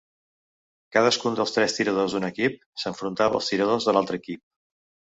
Cadascun dels tres tiradors d'un equip s'enfrontava als tiradors de l'altre equip.